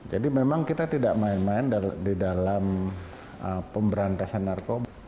jadi memang kita tidak main main di dalam pemberantasan narkoba